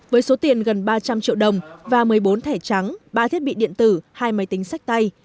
trong đó có một ba trăm linh triệu đồng và một mươi bốn thẻ trắng ba thiết bị điện tử hai máy tính sách tay